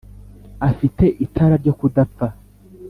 afite itara ryo kudapfa.